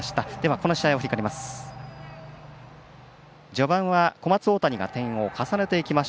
この試合を振り返ります。